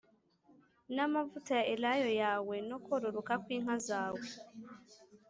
N amavuta ya elayo yawe no kororoka kw inka zawe